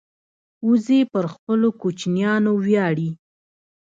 وزې پر خپلو کوچنیانو ویاړي